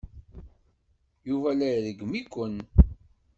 Yuba la ireggem Ken.